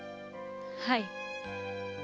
はい。